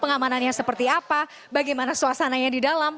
pengamanannya seperti apa bagaimana suasananya di dalam